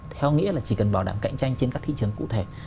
theo nghĩa là chỉ cần bảo đảm cạnh tranh trên các thị trường cụ thể